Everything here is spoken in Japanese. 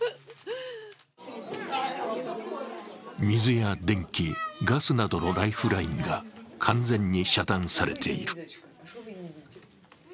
水や電気、ガスなどのライフラインが完全に遮断されている。